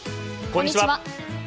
こんにちは。